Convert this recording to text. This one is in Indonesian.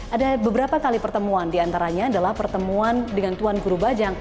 ada beberapa kali pertemuan diantaranya adalah pertemuan dengan tuan guru bajang